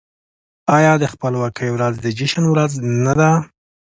آیا د خپلواکۍ ورځ د جشن ورځ نه ده؟